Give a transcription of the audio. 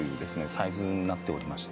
サイズになっておりまして。